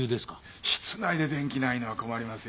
室内で電気ないのは困りますよ。